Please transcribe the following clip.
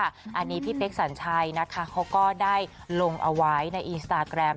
อันนี้พี่เป๊กสัญชัยนะคะเขาก็ได้ลงเอาไว้ในอินสตาแกรม